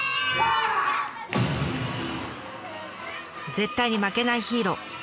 絶対に負けないヒーロー。